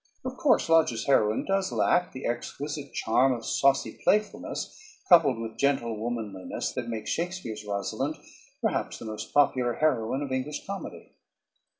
Of course Lodge's heroine does lack the exquisite charm of saucy playfulness coupled with gentle womanliness that makes Shakespeare's Rosalind perhaps the most popular heroine of English comedy.